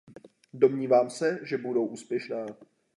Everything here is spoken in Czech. Domnívám se, že budou úspěšná.